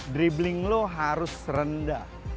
dribbling lo harus rendah